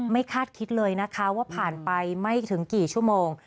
คาดคิดเลยนะคะว่าผ่านไปไม่ถึงกี่ชั่วโมง